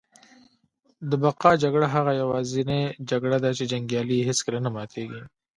د بقا جګړه هغه یوازینۍ جګړه ده چي جنګیالي یې هیڅکله نه ماتیږي